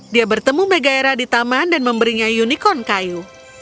dia bertemu megaira di taman dan memberinya unicorn kayu